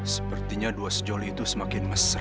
sepertinya dua sejoli itu semakin mesra